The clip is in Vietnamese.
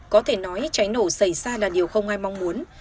có thể nói cháy nổ xảy ra là điều không ai mong muốn